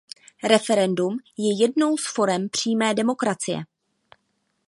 Referendum je jednou z forem přímé demokracie.